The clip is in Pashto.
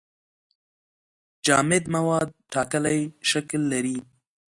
جامد مواد ټاکلی شکل لري.